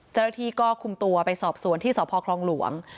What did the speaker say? เจ้าหน้าที่ก็คุมตัวไปสอบสวนที่สพคลองหลวง